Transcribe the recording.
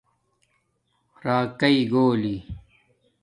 راکئ گولی